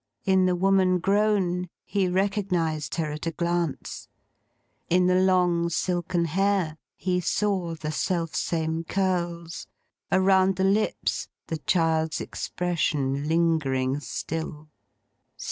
In the woman grown, he recognised her at a glance. In the long silken hair, he saw the self same curls; around the lips, the child's expression lingering still.